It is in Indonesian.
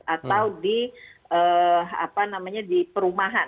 atau di perumahan